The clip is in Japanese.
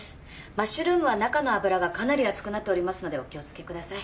マッシュルームは中の油がかなり熱くなっておりますのでお気をつけください。